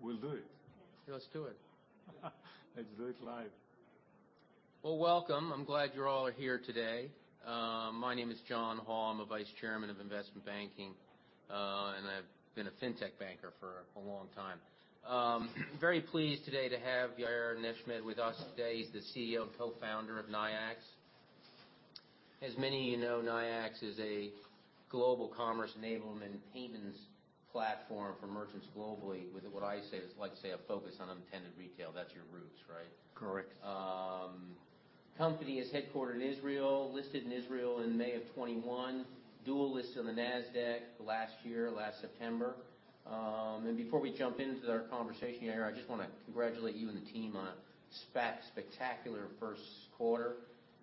Good. We'll do it. Let's do it. Let's do it live. Well, welcome. I'm glad you're all here today. My name is John Hall. I'm a vice chairman of investment banking, and I've been a fintech banker for a long time. Very pleased today to have Yair Nechmad with us today. He's the CEO and co-founder of Nayax. As many of you know, Nayax is a global commerce enablement payments platform for merchants globally with what I say is, like you say, a focus on unattended retail. That's your roots, right? Correct. Company is headquartered in Israel, listed in Israel in May of 21, dual listed on the Nasdaq last year, last September. Before we jump into our conversation here, I just wanna congratulate you and the team on a spectacular first quarter.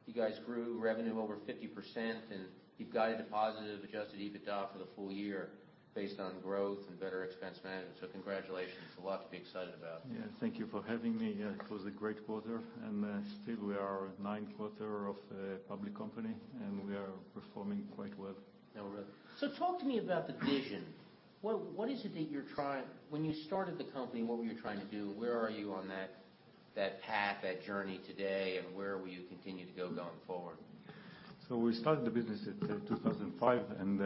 You guys grew revenue over 50%, and you've guided a positive adjusted EBITDA for the full year based on growth and better expense management. Congratulations. A lot to be excited about. Yeah, thank you for having me. Yeah, it was a great quarter. Still we are ninth quarter of a public company, and we are performing quite well. Yeah, well. Talk to me about the vision. When you started the company, what were you trying to do? Where are you on that path, that journey today, and where will you continue to go going forward? We started the business in 2005, and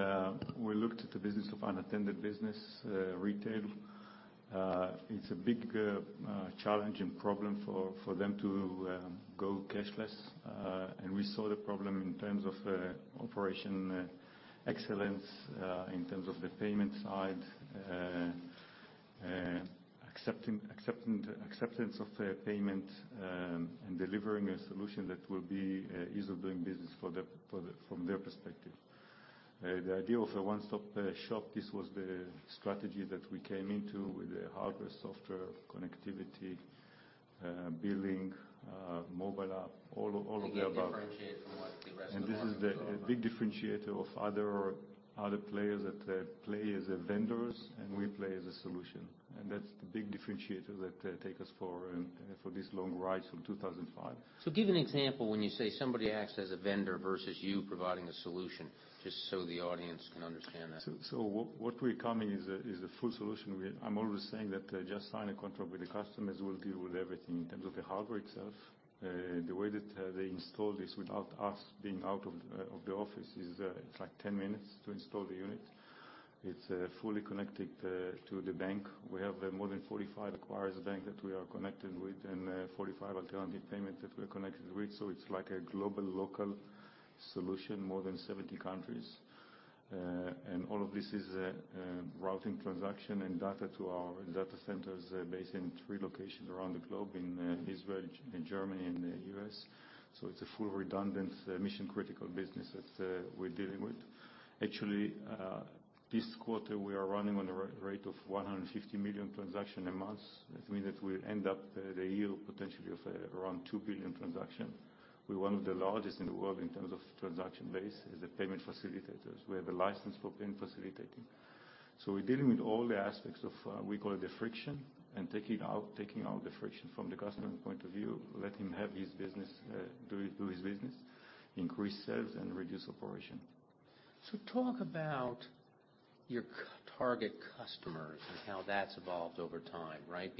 we looked at the business of unattended business, retail. It's a big challenge and problem for them to go cashless. We saw the problem in terms of operation excellence, in terms of the payment side, acceptance of payment, and delivering a solution that will be ease of doing business from thYair perspective. The idea of a one-stop shop, this was the strategy that we came into with the hardware, software, connectivity, billing, mobile app, all of the above. you differentiate from what the rest of the market. This is a big differentiator of other players that play as vendors, and we play as a solution. That's the big differentiator that take us for this long ride from 2005. Give an example when you say somebody acts as a vendor versus you providing a solution, just so the audience can understand that. What we're coming is a full solution. I'm always saying that just sign a contract with the customers, we'll deal with everything in terms of the hardware itself. The way that they install this without us being out of the office is it's like 10 minutes to install the unit. It's fully connected to the bank. We have more than 45 acquiring bank that we are connected with and 45 alternative payments that we're connected with. It's like a global local solution, more than 70 countries. All of this is routing transaction and data to our data centers based in three locations around the globe, in Israel, in Germany, and the US. It's a full redundant mission-critical business that we're dealing with. This quarter, we are running on a rate of $150 million transaction a month. That means that we end up the yield potentially of around $2 billion transaction. We're one of the largest in the world in terms of transaction base as a payment facilitators. We have a license for payment facilitating. We're dealing with all the aspects of we call it the friction, taking out the friction from the customer point of view, let him have his business do his business, increase sales and reduce operation. talk about your target customers and how that's evolved over time, right?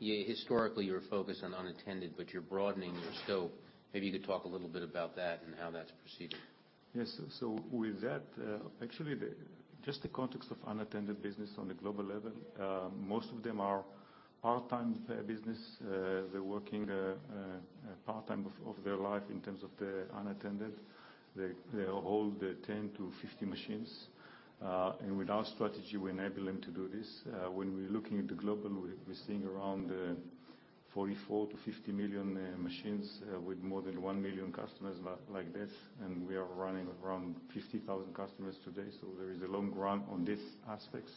historically, you were focused on unattended, but you're broadening your scope. you could talk a little bit about that and how that's proceeding. Yes. With that, actually, just the context of unattended business on a global level, most of them are part-time business. They're working part-time of thYair life in terms of the unattended. They hold 10-50 machines. With our strategy, we enable them to do this. When we're looking at the global, we're seeing around 44 million-50 million machines with more than 1 million customers like this, and we are running around 50,000 customers today. There is a long run on these aspects.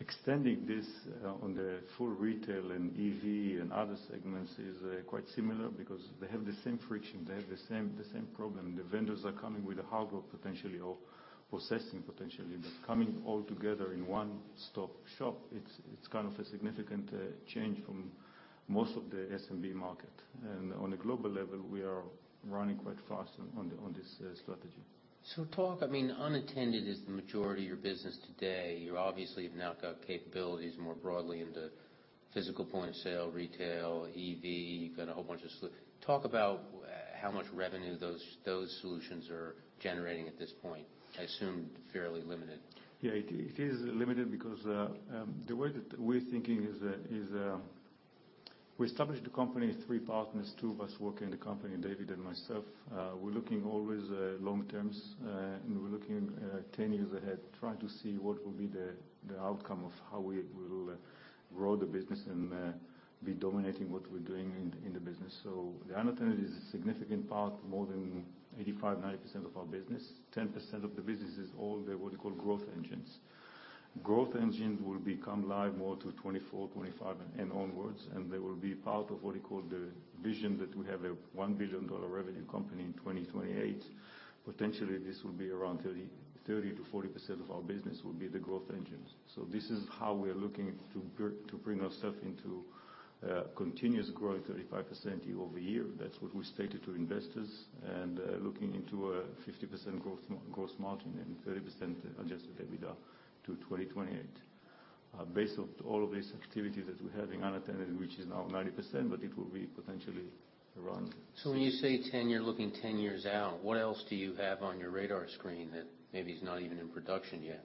Extending this on the full retail and EV and other segments is quite similar because they have the same friction, they have the same problem. The vendors are coming with the hardware potentially or processing potentially, but coming all together in one-stop shop, it's kind of a significant change from most of the SMB market. On a global level, we are running quite fast on this strategy. I mean, unattended is the majority of your business today. You obviously have now got capabilities more broadly into physical point-of-sale, retail, EV, you've got a whole bunch of. Talk about how much revenue those solutions are generating at this point. I assume fairly limited. Yeah, it is, it is limited because the way that we're thinking. We established the company, three partners, two of us work in the company, David and myself. We're looking always long terms, and we're looking 10 years ahead, trying to see what will be the outcome of how we will grow the business and be dominating what we're doing in the business. The unattended is a significant part, more than 85%-90% of our business. 10% of the business is all the what you call growth engines. Growth engines will become live more to 2024, 2025, and onwards, and they will be part of what you call the vision that we have a $1 billion revenue company in 2028. Potentially, this will be around 30-40% of our business will be the growth engines. This is how we are looking to bring ourself into continuous growth, 35% year-over-year. That's what we stated to investors, and looking into a 50% growth, gross margin and 30% adjusted EBITDA to 2028. Based of all of these activities that we have in unattended, which is now 90%, but it will be potentially around. When you say 10-year, looking 10 years out, what else do you have on your radar screen that maybe is not even in production yet?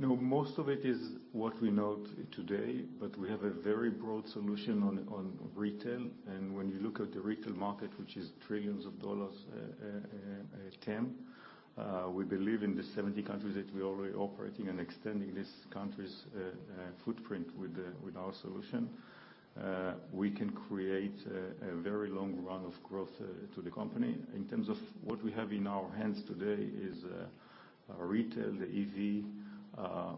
Most of it is what we know today. We have a very broad solution on retail. When you look at the retail market, which is $ trillions, we believe in the 70 countries that we're already operating and extending this country's footprint with our solution, we can create a very long run of growth to the company. In terms of what we have in our hands today is retail, the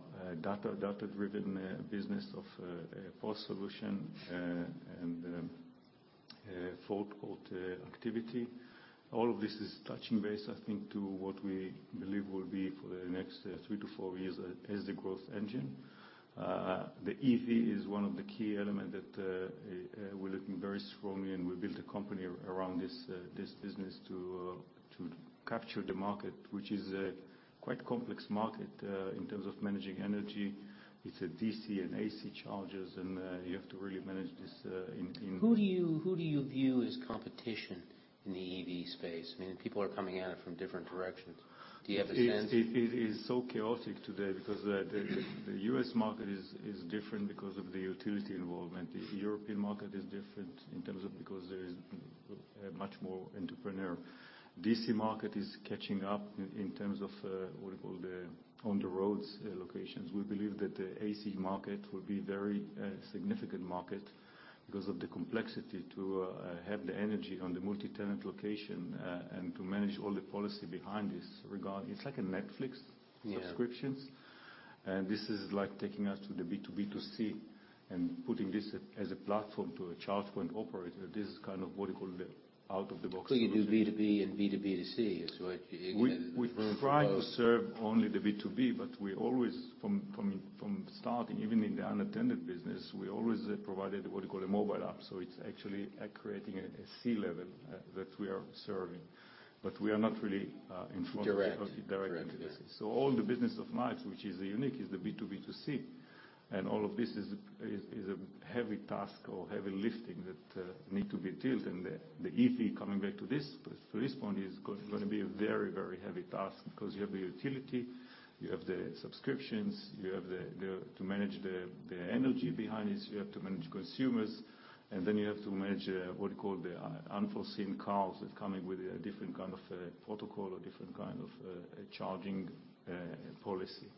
EV, data-driven business of POS solution and food court activity. All of this is touching base, I think, to what we believe will be for the next three to four years as the growth engine. The EV is one of the key element that we're looking very strongly, and we built a company around this business to capture the market, which is a quite complex market in terms of managing energy. It's a DC and AC chargers, and you have to really manage this. Who do you view as competition in the EV space? I mean, people are coming at it from different directions. Do you have a sense? It is so chaotic today because the U.S. market is different because of the utility involvement. The European market is different in terms of because there is much more entrepreneur. D.C. market is catching up in terms of what you call the on the roads locations. We believe that the AC market will be very significant market because of the complexity to have the energy on the multi-tenant location and to manage all the policy behind this regard. It's like a Netflix subscriptions. Yeah. This is like taking us to the B2B2C and putting this as a platform to a charge point operator. This is kind of what you call the out of the box solution. You do B2B and B2B2C is what you. We try to serve only the B2B, but we always from the starting, even in the unattended business, we always provided what you call a mobile app. It's actually creating a C-level that we are serving, but we are not really. Direct. Directly. Correct. All the business of Nayax, which is unique, is the B2B2C, and all of this is a heavy task or heavy lifting that need to be dealt. The EV, coming back to this point, is gonna be a very heavy task because you have the utility, you have the subscriptions, you have to manage the energy behind this, you have to manage consumers, and then you have to manage what you call the unforeseen cars that's coming with a different kind of protocol or different kind of charging policy.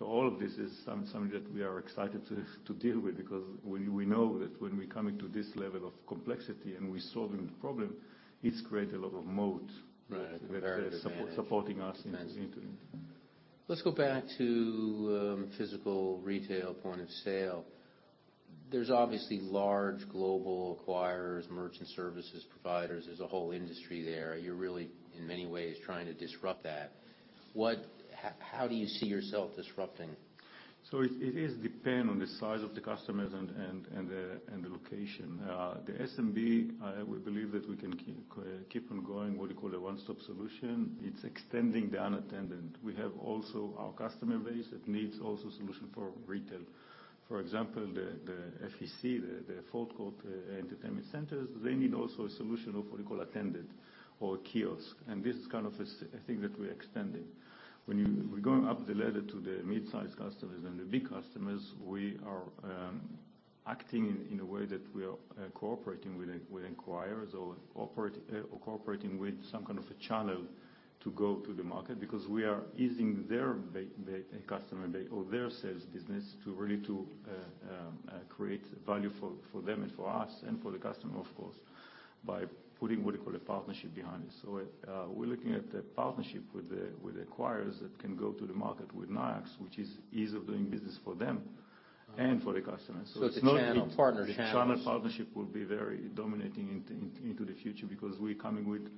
All of this is something that we are excited to deal with because we know that when we come into this level of complexity and we're solving the problem, it's created a lot of moat. Right. Comparative advantage ...that are supporting us into this. Let's go back to physical retail point of sale. There's obviously large global acquirers, merchant services providers. There's a whole industry there. You're really, in many ways, trying to disrupt that. How do you see yourself disrupting? It is depend on the size of the customers and the location. The SMB, we believe that we can keep on going, what you call a one-stop solution. It's extending the unattended. We have also our customer base that needs also solution for retail. For example, the FEC, the food court, entertainment centers, they need also a solution of what you call attended or kiosk. This is kind of a thing that we're extending. We're going up the ladder to the mid-size customers and the big customers, we are acting in a way that we are cooperating with acquirers or cooperating with some kind of a channel to go to the market because we are using thYair customer base or thYair sales business to really to create value for them and for us and for the customer, of course, by putting what you call a partnership behind it. We're looking at a partnership with the, with the acquirers that can go to the market with Nayax, which is ease of doing business for them and for the customer. It's not- It's a channel, partner channels. The channel partnership will be very dominating into the future because we're coming with,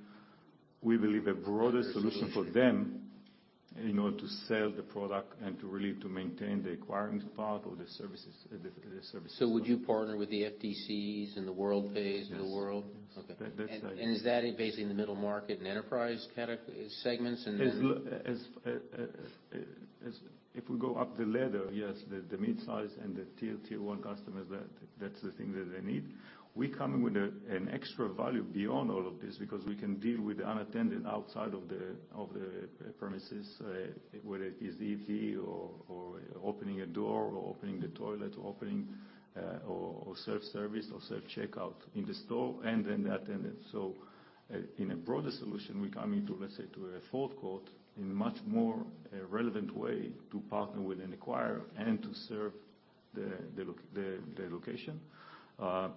we believe, a broader solution for them in order to sell the product and to really to maintain the acquiring part or the services. Would you partner with the FDCs and the Worldpays? Yes. Yes. Okay. That's right. Is that basically in the middle market and enterprise segments and then? If we go up the ladder, yes, the mid-size and the tier one customers, that's the thing that they need. We come in with an extra value beyond all of this because we can deal with the unattended outside of the premises, whether it is EV or opening a door or opening the toilet or opening or self-service or self-checkout in the store and then the attended. In a broader solution, we're coming to, let's say, to a food court in much more a relevant way to partner with an acquirer and to serve the location.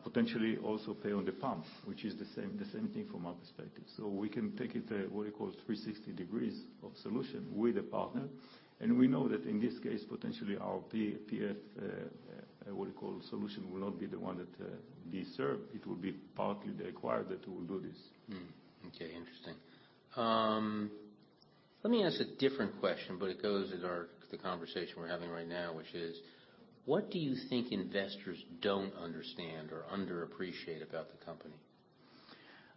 Potentially also pay on the pump, which is the same thing from our perspective. We can take it, what you call 360 degrees of solution with a partner, and we know that in this case, potentially our PF, what you call solution will not be the one that they serve. It will be partly the acquirer that will do this. Okay. Interesting. Let me ask a different question, but it goes with the conversation we're having right now, which is: What do you think investors don't understand or underappreciate about the company?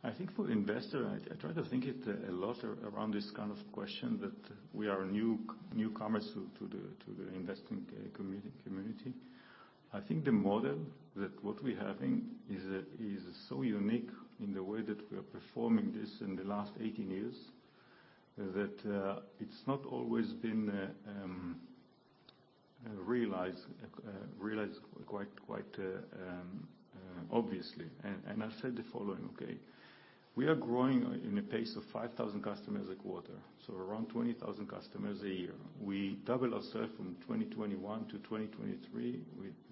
I think for investor, I try to think it, a lot around this kind of question that we are newcomers to the investing community. I think the model that what we having is so unique in the way that we are performing this in the last 18 years, that it's not always been realized quite obviously. I said the following, okay? We are growing in a pace of 5,000 customers a quarter, so around 20,000 customers a year. We double ourselves from 2021 to 2023.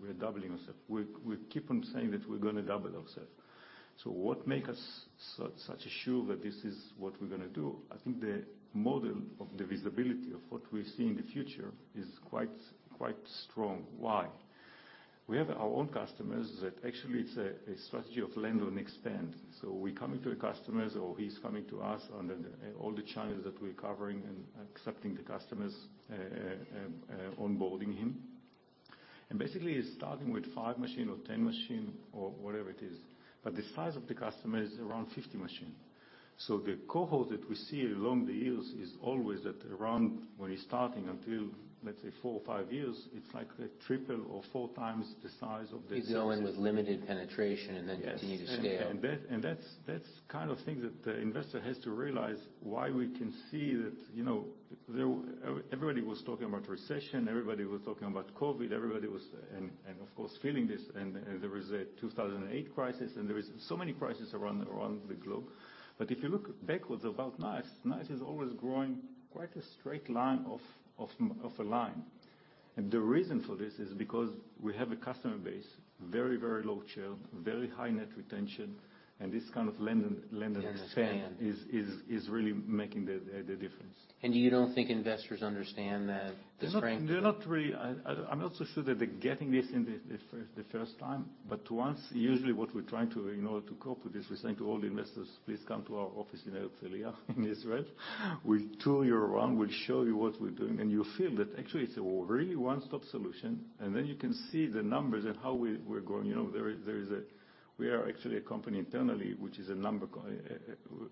We're doubling ourselves. We keep on saying that we're gonna double ourselves. What make us such assured that this is what we're gonna do? I think the model of the visibility of what we see in the future is quite strong. Why? We have our own customers that actually it's a strategy of land and expand. We coming to the customers or he's coming to us under the all the channels that we're covering and accepting the customers onboarding him. Basically, he's starting with 5 machine or 10 machine or whatever it is, but the size of the customer is around 50 machine. The cohort that we see along the years is always at around when he's starting until, let's say, 4 or 5 years, it's like 3 or 4 times the size of the- You go in with limited penetration. Yes. continue to scale. That's kind of thing that the investor has to realize why we can see that, you know, there... Everybody was talking about recession, everybody was talking about COVID, everybody was. Of course, feeling this. There was a 2008 crisis, and there is so many crises around the globe. If you look backwards about NICE is always growing quite a straight line of a line. The reason for this is because we have a customer base, very, very low churn, very high net retention, and this kind of land and expand- Expand. is really making the difference. You don't think investors understand that, the strength? They're not really. I'm not so sure that they're getting this in the first time. Usually what we're trying to, in order to cope with this, we're saying to all the investors, "Please come to our office in Herzliya in Israel. We'll tour you around, we'll show you what we're doing," and you'll feel that actually it's a really one-stop solution. Then you can see the numbers and how we're growing. You know, there is a. We are actually a company internally, which is a number.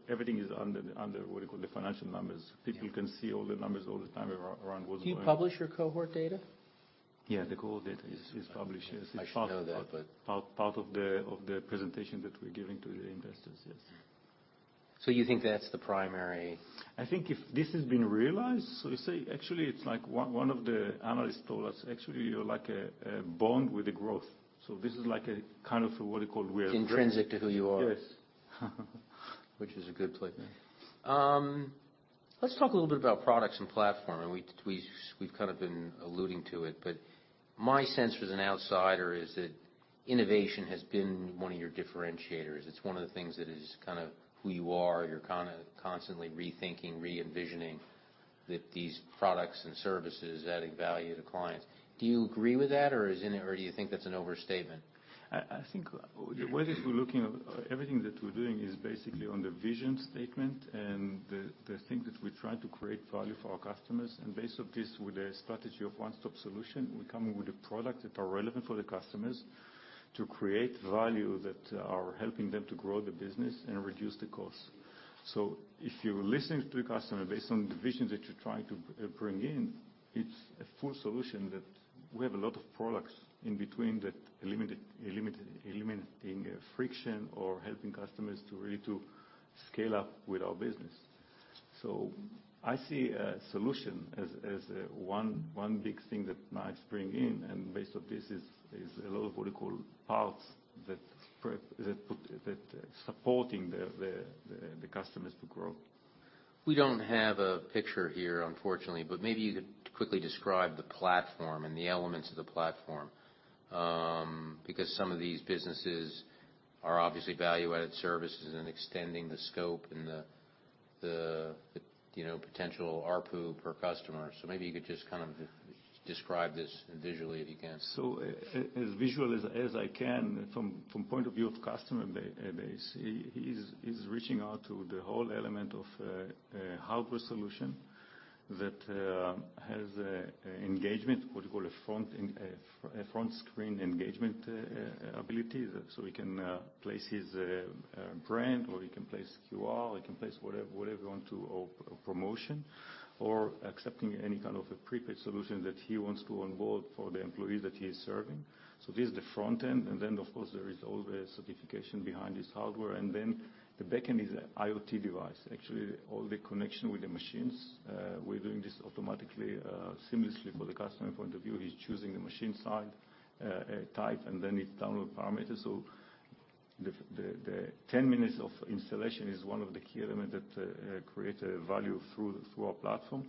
Everything is under the, what do you call it? The financial numbers. Mm. People can see all the numbers all the time around what we're doing. Do you publish your cohort data? Yeah, the cohort data is published. Yes. I should know that, but. It's part of the presentation that we're giving to the investors. Yes. you think that's the primary- I think if this has been realized, so to say, actually it's like one of the analysts told us, "Actually you're like a bond with the growth." This is like a kind of what you call we are-. Intrinsic to who you are. Yes. Which is a good placement. Let's talk a little bit about products and platform, and we've kind of been alluding to it. My sense as an outsider is that innovation has been one of your differentiators. It's one of the things that is kind of who you are. You're constantly rethinking, re-envisioning that these products and services adding value to clients. Do you agree with that, or do you think that's an overstatement? I think the way that we're looking at everything that we're doing is basically on the vision statement and the thing that we try to create value for our customers. Based off this, with a strategy of one-stop solution, we come in with the products that are relevant for the customers to create value that are helping them to grow the business and reduce the costs. If you're listening to the customer based on the vision that you're trying to bring in, it's a full solution that we have a lot of products in between that eliminating friction or helping customers to really to scale up with our business. I see a solution as one big thing that Nayax bring in, and based off this is a lot of what you call parts that put... that supporting the customers to grow. We don't have a picture here, unfortunately, but maybe you could quickly describe the platform and the elements of the platform. Because some of these businesses are obviously value-added services and extending the scope and the, you know, potential ARPU per customer. Maybe you could just kind of describe this visually if you can. As visual as I can from point of view of customer, they see, he's reaching out to the whole element of a hardware solution that has a front screen engagement ability. He can place his brand, or he can place QR, he can place whatever he want to or promotion, or accepting any kind of a prepaid solution that he wants to onboard for the employees that he is serving. This is the front end, of course there is all the certification behind his hardware. The back end is a IoT device. Actually, all the connection with the machines, we're doing this automatically, seamlessly for the customer point of view. He's choosing the machine side type, and then it download parameters. The 10 minutes of installation is one of the key element that create a value through our platform.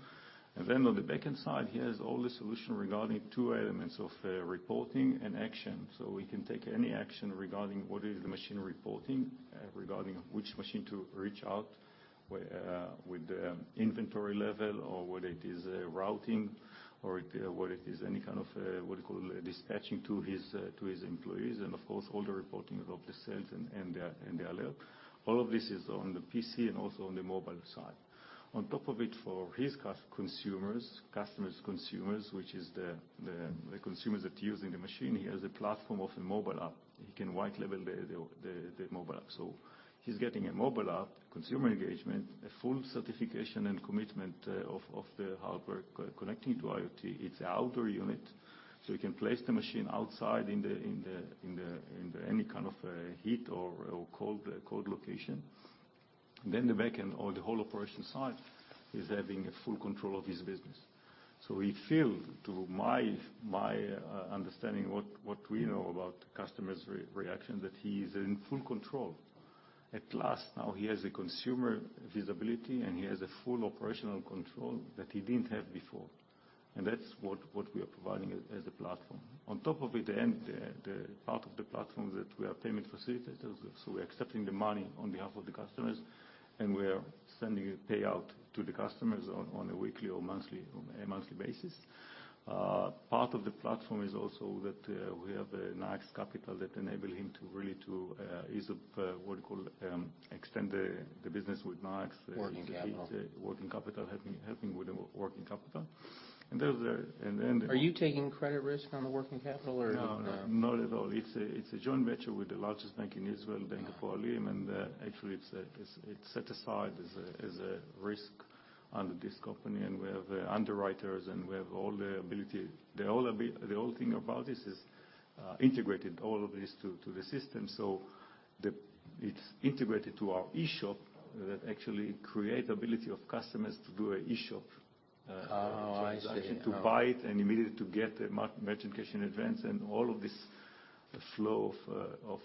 Then on the back-end side, he has all the solution regarding 2 elements of reporting and action. We can take any action regarding what is the machine reporting, regarding which machine to reach out with the inventory level or whether it is routing or it, what it is any kind of what you call dispatching to his employees, and of course, all the reporting about the sales and the alert. All of this is on the PC and also on the mobile side. On top of it, for his consumers, customers, consumers, which is the consumers that are using the machine, he has a platform of a mobile app. He can white label the mobile app. He's getting a mobile app, consumer engagement, a full certification and commitment of the hardware connecting to IoT. It's a outdoor unit, you can place the machine outside in the any kind of heat or cold location. The back end or the whole operation side is having a full control of his business. He feel, to my understanding what we know about customers' reaction, that he is in full control. At last, now he has a consumer visibility, and he has a full operational control that he didn't have before. That's what we are providing as a platform. On top of it, the part of the platform that we are payment facilitators, so we're accepting the money on behalf of the customers, and we are sending a payout to the customers on a weekly or monthly, on a monthly basis. Part of the platform is also that we have a Nayax Capital that enable him to really to ease up what you call extend the business. Working capital. He say working capital. Helping with the working capital. Are you taking credit risk on the working capital or no? No, not at all. It's a joint venture with the largest bank in Israel, Bank Hapoalim. Actually it's set aside as a risk under this company, and we have underwriters, and we have all the ability. The whole thing about this is integrated all of this to the system. It's integrated to our eShop that actually create ability of customers to do a eShop. Oh, I see. To buy it and immediately to get a merchant cash advance, and all of this flow of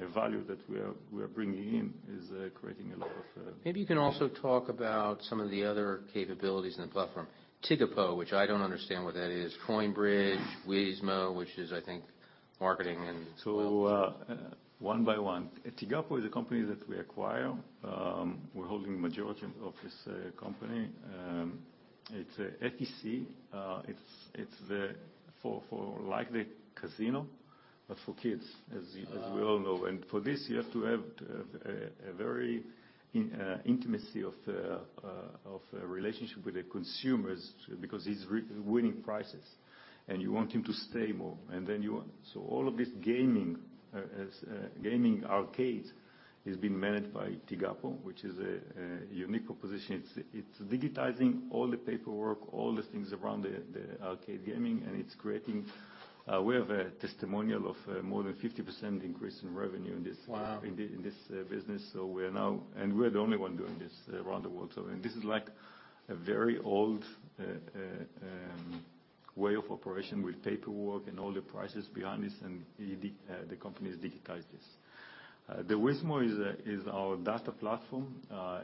a value that we are bringing in is creating a lot of. Maybe you can also talk about some of the other capabilities in the platform. Tigapo, which I don't understand what that is. CoinBridge, Weezmo, which is, I think, marketing and- One by one. Tigapo is a company that we acquire. We're holding majority of this company. It's a FEC. It's like the casino, but for kids, as you. Oh. As we all know. For this, you have to have a very intimacy of relationship with the consumers because he's re-winning prizes, and you want him to stay more. All of this gaming as gaming arcades is being managed by Tigapo, which is a unique proposition. It's digitizing all the paperwork, all these things around the arcade gaming. It's creating. We have a testimonial of more than 50% increase in revenue. Wow. In this business. We are now... We're the only one doing this around the world. This is like a very old way of operation with paperwork and all the prices behind this, and the company has digitized this. The Weezmo is our data platform.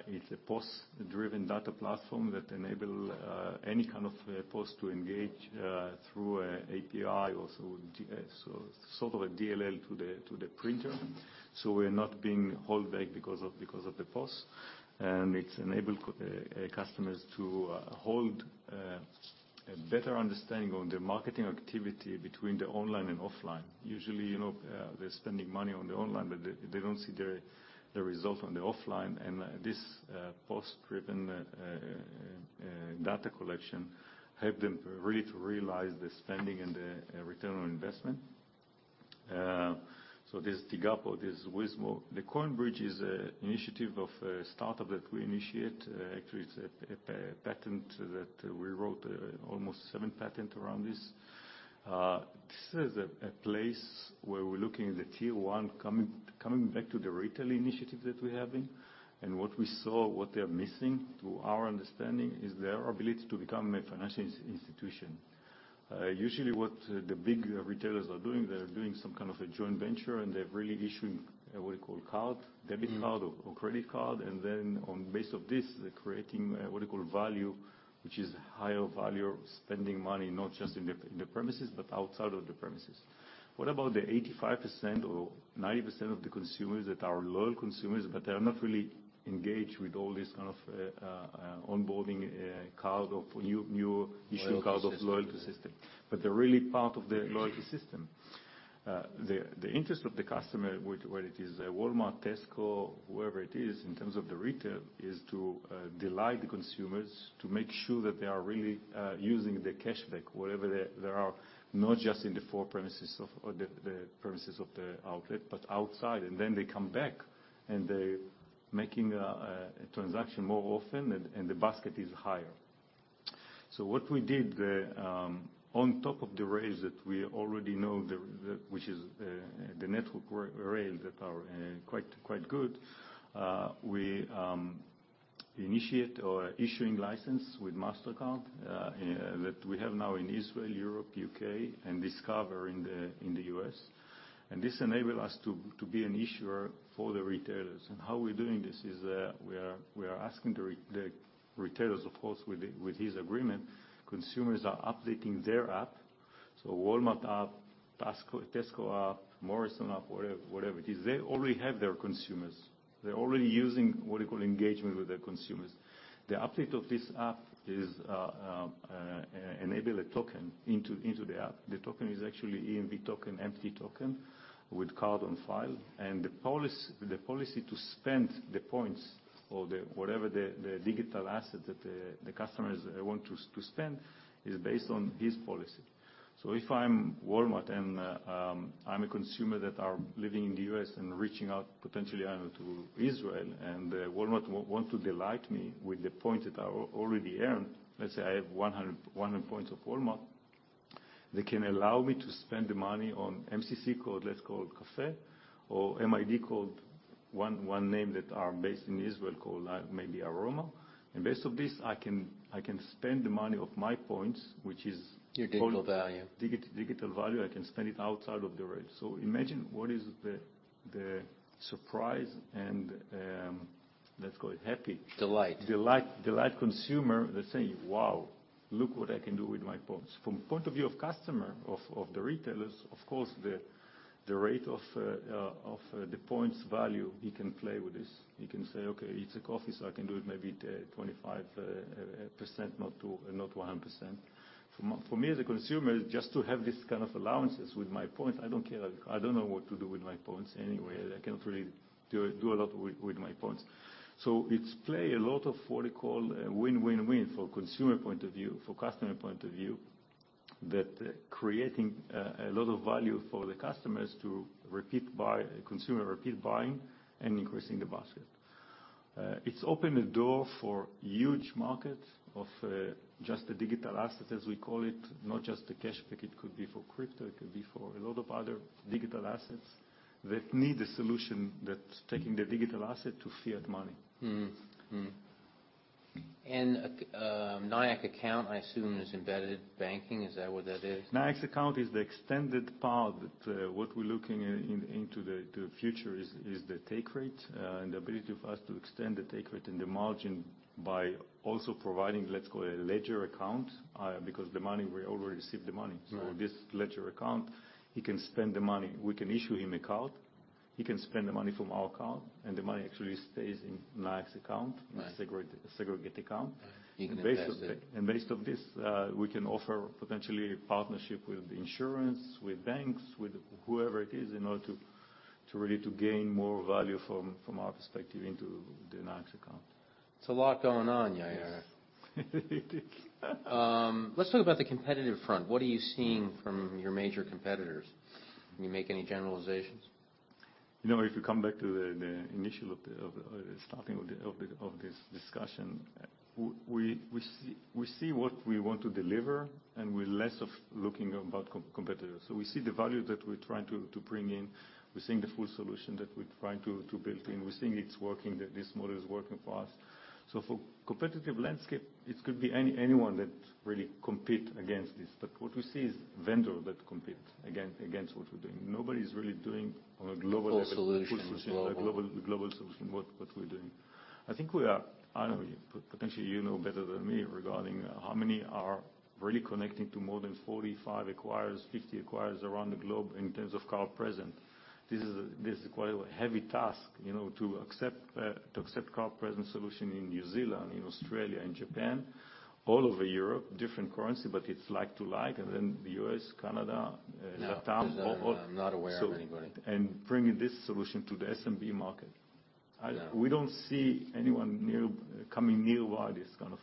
It's a POS-driven data platform that enable any kind of POS to engage through a API or through SDK, so sort of a DLL to the printer. We're not being held back because of the POS. It's enabled customers to hold a better understanding on the marketing activity between the online and offline. Usually, you know, they're spending money on the online, but they don't see the result on the offline. This POS-driven data collection help them really to realize the spending and the ROI. There's Tigapo, there's Weezmo. The CoinBridge is a initiative of a startup that we initiate. Actually it's a patent that we wrote almost seven patent around this. This is a place where we're looking at the tier one coming back to the retail initiative that we're having. What we saw, what they're missing, to our understanding, is thYair ability to become a financial institution. Usually what the big retailers are doing, they're doing some kind of a joint venture, they're really issuing a what you call card. Mm-hmm. Debit card or credit card. Then on base of this, they're creating a what you call value, which is higher value spending money, not just in the premises but outside of the premises. What about the 85% or 90% of the consumers that are loyal consumers, but they are not really engaged with all this kind of onboarding card of new issued card? Loyalty system. Of loyalty system. They're really part of the loyalty system. The interest of the customer, whether it is Walmart, Tesco, whoever it is, in terms of the retail, is to delight the consumers to make sure that they are really using the cashback wherever they are. Not just in the 4 premises of, or the premises of the outlet, but outside, and then they come back, and they're making a transaction more often, and the basket is higher. What we did there, on top of the raise that we already know which is the network rail that are quite good. We initiate or issuing license with Mastercard that we have now in Israel, Europe, UK, and Discover in the U.S. This enable us to be an issuer for the retailers. How we're doing this is, we are asking the retailers, of course, with his agreement. Consumers are updating thYair app. Walmart app, Tesco app, Morrisons app, whatever it is, they already have thYair consumers. They're already using what you call engagement with thYair consumers. The update of this app is, enable a token into the app. The token is actually EMV token, empty token with card on file. The policy to spend the points or, whatever the digital asset that the customers want to spend is based on his policy. If I'm Walmart and I'm a consumer that are living in the U.S. and reaching out potentially, I don't know, to Israel, and Walmart want to delight me with the points that are already earned. Let's say I have 100 points of Walmart. They can allow me to spend the money on MCC code, let's call cafe, or MID code, one name that are based in Israel called maybe Aroma. Based on this, I can spend the money of my points, which is- Your digital value. Digital value. I can spend it outside of the rail. Imagine what is the surprise and. Delight. delight consumer that's saying, "Wow, look what I can do with my points." From point of view of customer of the retailers, of course, the rate of the points value, he can play with this. He can say, "Okay, it's a coffee, so I can do it maybe 25%, not 100%." For me as a consumer, just to have this kind of allowances with my points, I don't care. I don't know what to do with my points anyway. I can't really do a lot with my points. It's play a lot of what you call win-win-win for consumer point of view, for customer point of view, that creating a lot of value for the customers to repeat buying and increasing the basket. It's opened the door for huge market of just the digital assets, as we call it, not just the cash pick. It could be for crypto, it could be for a lot of other digital assets that need a solution that's taking the digital asset to fiat money. Mm-hmm. Mm-hmm. A Nayax account, I assume, is embedded banking. Is that what that is? Nayax account is the extended part. What we're looking into the future is the take rate, and the ability of us to extend the take rate and the margin by also providing, let's call it, a ledger account, because we already received the money. Right. This ledger account, he can spend the money. We can issue him account. He can spend the money from our account, and the money actually stays in Nayax account. Right. in a segregated account. Right. He can access it. Based off this, we can offer potentially partnership with insurance, with banks, with whoever it is in order to really gain more value from our perspective into the Nayax account. It's a lot going on, Yair. Yes. Let's talk about the competitive front. What are you seeing from your major competitors? Can you make any generalizations? You know, if you come back to Of the of this discussion. We see what we want to deliver, and we're less of looking about competitors. We see the value that we're trying to bring in. We're seeing the full solution that we're trying to build in. We're seeing it's working, that this model is working for us. For competitive landscape, it could be anyone that really compete against this. What we see is vendor that compete against what we're doing. Nobody's really doing on a global level- Full solution global. Full solution, a global solution, what we're doing. I think we are. I don't know. Potentially you know better than me regarding how many are really connecting to more than 45 acquirers, 50 acquirers around the globe in terms of card present. This is a, this is quite a heavy task, you know, to accept card present solution in New Zealand, in Australia, in Japan, all over Europe, different currency, but it's like to like, and then the U.S., Canada, LATAM, all. No. I'm not aware of anybody. and bringing this solution to the SMB market. No. We don't see anyone near, coming nearby this kind of.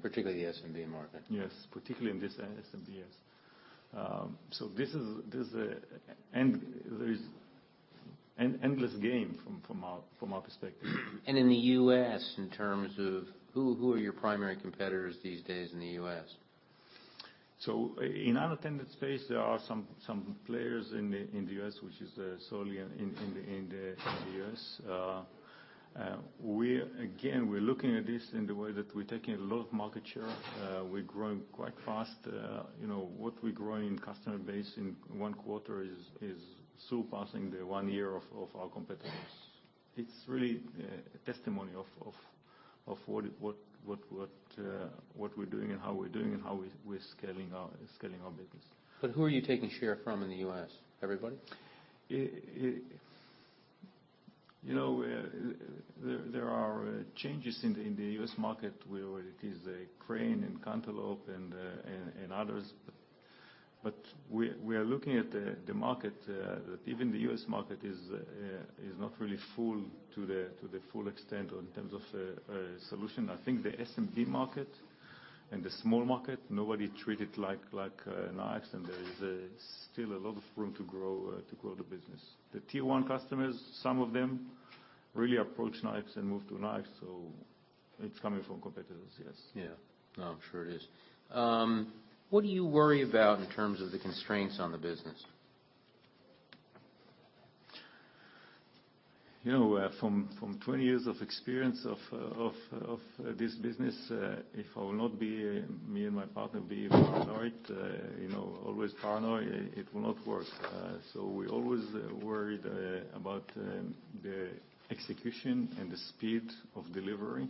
Particularly the SMB market. Yes, particularly in this SMB, yes. This is this endless game from our perspective. In the US, in terms of who are your primary competitors these days in the US? In unattended space, there are some players in the US, which is solely in the US. We're again, we're looking at this in the way that we're taking a lot of market share. We're growing quite fast. You know, what we're growing in customer base in 1 quarter is surpassing the 1 year of our competitors. It's really a testimony of what we're doing and how we're doing and how we're scaling our business. Who are you taking share from in the US? Everybody? You know, there are changes in the U.S. market, whether it is Crane and Cantaloupe and others. We are looking at the market that even the U.S. market is not really full to the full extent in terms of solution. I think the SMB market and the small market, nobody treat it like Nayax. There is still a lot of room to grow the business. The tier one customers, some of them really approach Nayax and move to Nayax. It's coming from competitors, yes. Yeah. No, I'm sure it is. What do you worry about in terms of the constraints on the business? You know, from 20 years of experience of this business, if I will not be, me and my partner be paranoid, you know, always paranoid, it will not work. We always worried about the execution and the speed of delivery.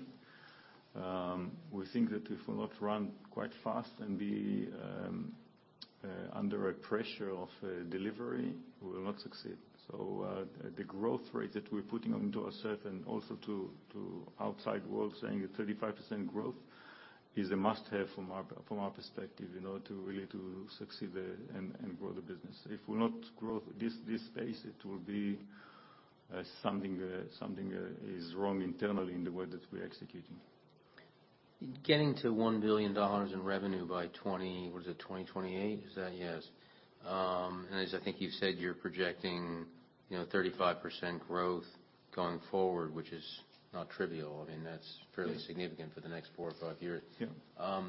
We think that if we not run quite fast and be under a pressure of delivery, we will not succeed. The growth rate that we're putting onto ourself and also to outside world, saying that 35% growth is a must-have from our perspective, in order to really to succeed and grow the business. If we not grow this pace, it will be something is wrong internally in the way that we're executing. Getting to $1 billion in revenue by 2028? As I think you've said, you're projecting, you know, 35% growth going forward, which is not trivial. I mean, that's fairly significant for the next 4 or 5 years. Yeah.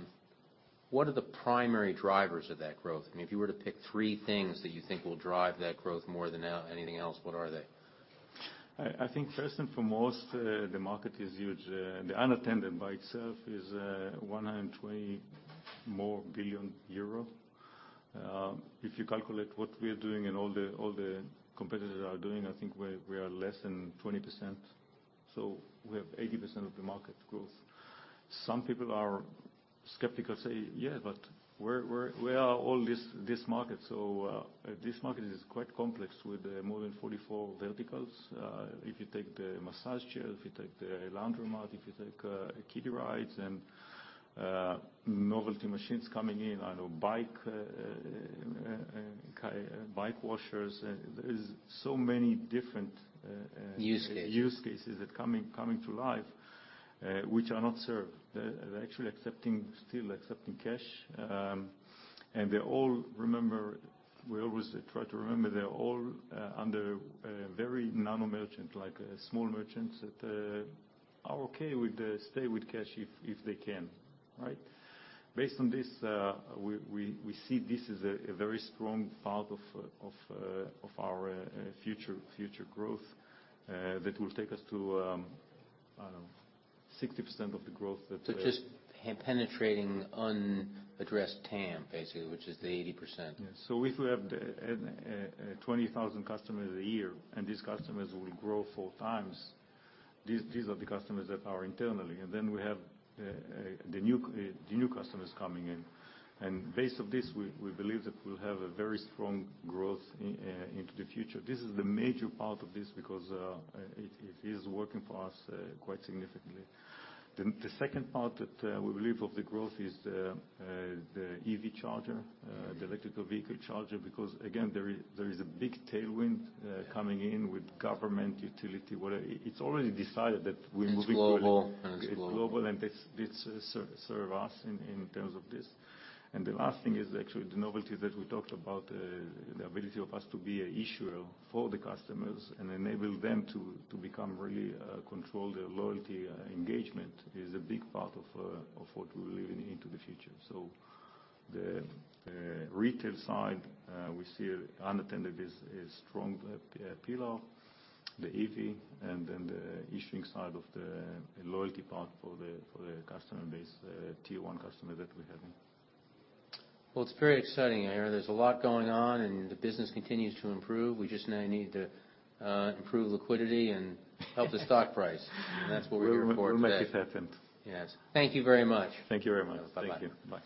What are the primary drivers of that growth? I mean, if you were to pick three things that you think will drive that growth more than anything else, what are they? I think first and foremost, the market is huge. The unattended by itself is 120 billion euro. If you calculate what we are doing and all the competitors are doing, I think we are less than 20%. We have 80% of the market growth. Some people are skeptical, say, "Yes, but where are all this market?" This market is quite complex with more than 44 verticals. If you take the massage chair, if you take the laundromat, if you take kiddie rides and novelty machines coming in. I don't know, bike washers. There is so many different. Use cases. Use cases that coming to life, which are not served. They're actually accepting still accepting cash. We always try to remember, they're all under very nano merchant, like small merchants that are okay with the stay with cash if they can, right? Based on this, we see this as a very strong part of our future growth that will take us to, I don't know, 60% of the growth that. just penetrating unaddressed TAM, basically, which is the 80%. Yeah. If we have the 20,000 customers a year, and these customers will grow 4 times, these are the customers that are internally. Then we have the new customers coming in. Based off this, we believe that we'll have a very strong growth into the future. This is the major part of this because it is working for us quite significantly. The second part that we believe of the growth is the EV charger, the electrical vehicle charger. Again, there is a big tailwind coming in with government utility, whatever. It's already decided that we're moving to. It's global. It's global. It's global. This serve us in terms of this. The last thing is actually the novelty that we talked about, the ability of us to be a issuer for the customers and enable them to become really control their loyalty. Engagement is a big part of what we believe in into the future. The retail side, we see unattended is strong pillar, the EV and then the issuing side of the loyalty part for the customer base, tier one customer that we're having. It's very exciting, Yair. There's a lot going on, and the business continues to improve. We just now need to improve liquidity and help the stock price. That's what we're here for today. We'll make it happen. Yes. Thank you very much. Thank you very much. Bye. Thank you. Bye.